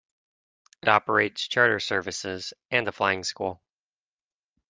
It operates charter services and a flying school.